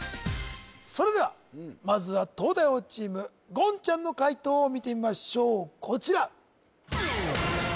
それではまずは東大王チーム言ちゃんの解答を見てみましょうこちら